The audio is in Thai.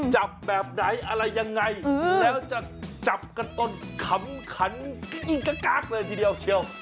จับแบบไหนอะไรยังไงแล้วจะจับกันจนขำขันกิ๊กกักเลยทีเดียวเชียว